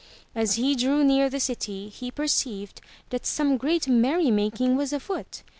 As he drew near the city, he perceived that some great merry making was afoot.